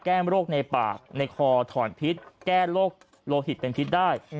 โรคในปากในคอถอนพิษแก้โลหิตเป็นพิษได้